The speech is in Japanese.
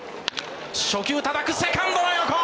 初球、高くセカンドの横！